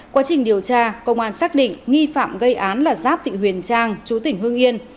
quá trình điều tra công an xác định nghi phạm gây án là giáp thị huyền trang chú tỉnh hương yên